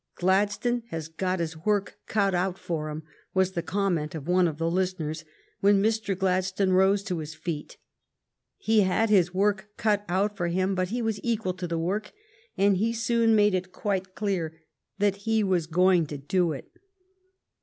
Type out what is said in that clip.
" Gladstone has got his work cut out for him," was the comment of one of the listeners when Mr. Gladstone rose to his feet. He had his work cut out for him, but he was equal •to the work, and he soon made it quite clear that he was going to do it.